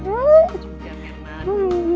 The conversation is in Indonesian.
terima kasih ya